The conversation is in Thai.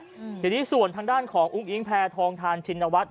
ชักนี้ส่วนทางด้านของอุ๊งอิ้งแผงฐองทานชินวัฒน์